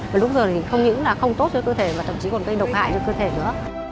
và lúc giờ thì không những là không tốt cho cơ thể mà thậm chí còn gây độc hại cho cơ thể nữa